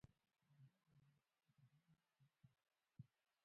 بادام د افغانستان د طبیعي زیرمو برخه ده.